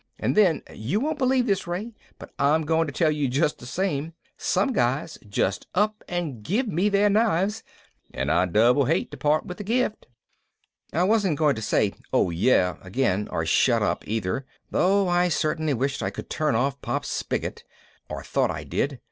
And then you won't believe this, Ray, but I'm going to tell you just the same guys just up and give me their knives and I doubly hate to part with a gift." I wasn't going to say "Oh yeah?" again or "Shut up!" either, though I certainly wished I could turn off Pop's spigot, or thought I did.